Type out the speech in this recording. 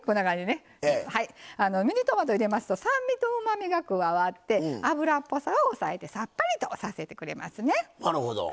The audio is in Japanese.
ミニトマト入れますと酸味とうまみが加わって脂っぽさを抑えてさっぱりとさせてくれますね。